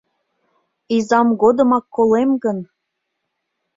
Изам годымак колем гын